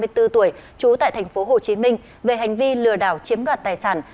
ba mươi bốn tuổi trú tại tp hcm về hành vi lừa đảo chiếm đoạt tài sản